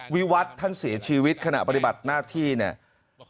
วิวัตรท่านเสียชีวิตขณะปฏิบัติหน้าที่เนี่ย